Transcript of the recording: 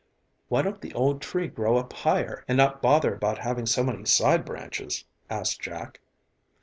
"Why don't the old tree grow up higher and not bother about having so many side branches?" asked Jack.